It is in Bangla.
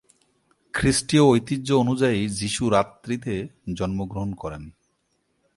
খ্রিস্টীয় ঐতিহ্য অনুযায়ী যিশু রাত্রিতে জন্মগ্রহণ করেন।